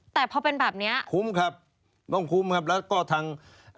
แต่พอเป็นแบบเนี้ยคุ้มครับต้องคุ้มครับแล้วก็ทาง